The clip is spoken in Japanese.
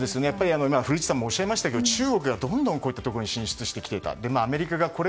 古市さんもおっしゃいましたが中国がどんどんこういったところに進出していった。